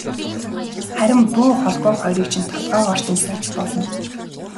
Харин буу холбоо хоёрыг чинь толгойгоор чинь сольж болно.